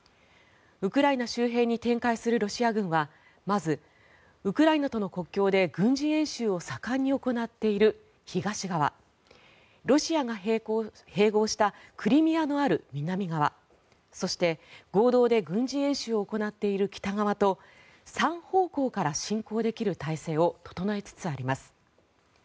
ウクライナ周辺に展開するロシア軍はまずウクライナとの国境で軍事演習を盛んに行っている東側ロシアが併合したクリミアのある南側そして、合同で軍事演習を行っている北側と３方向から侵攻できる態勢を整えつつあります。